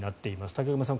武隈さん